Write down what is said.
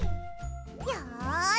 よし！